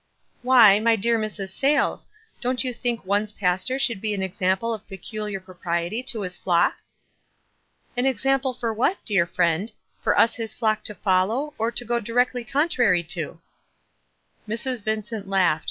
"Why, my dear Mrs. Sayles, don't you think one's pastor should be an example of peculiar propriety to his flock?" "An example for what, dear friend? For us his flock to follow, or to go directly contrary to?" Mrs. Vincent laughed.